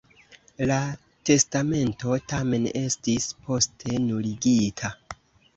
La testamento, tamen, estis poste nuligita.